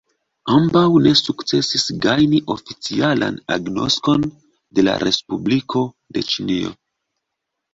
Ambaŭ ne sukcesis gajni oficialan agnoskon de la respubliko de Ĉinio.